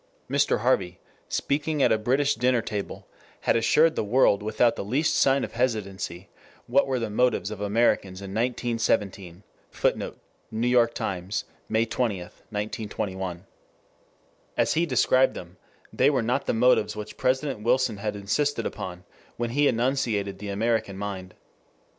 Mr. Harvey, speaking at a British dinner table, had assured the world without the least sign of hesitancy what were the motives of Americans in 1917. [Footnote: New York Times, May 20, 1921.] As he described them, they were not the motives which President Wilson had insisted upon when he enunciated the American mind.